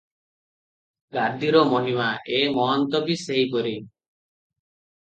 ଗାଦିର ମହିମା - ଏ ମହନ୍ତ ବି ସେହିପରି ।